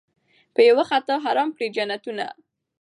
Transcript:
په یوه خطا حرام کړي جنتونه